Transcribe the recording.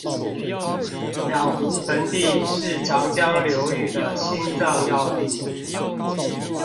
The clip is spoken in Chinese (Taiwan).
兩湖盆地是長江流域的心臟要地